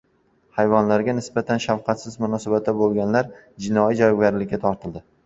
Hayvonlarga nisbatan shafqatsiz munosabatda bo‘lganlar, jinoiy javobgarlikka tortiladi